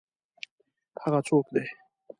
هغه څوک دی؟